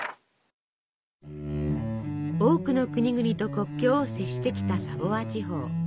多くの国々と国境を接してきたサヴォワ地方。